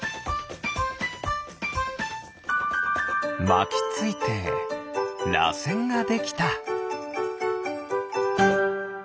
まきついてらせんができた。